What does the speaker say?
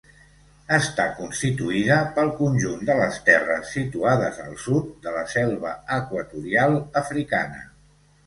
Està constituïda pel conjunt de les terres situades al sud de la selva equatorial africana.